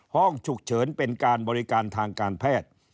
ห้องฉุกเฉินเป็นการบริการทางการแพทย์